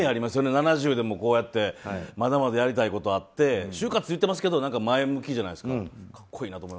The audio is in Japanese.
７０でも、こうやってまだまだやりたいことがあって終活言うてますけど前向きじゃないですか。